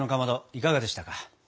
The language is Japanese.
いかがでしたか？